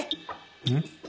うん？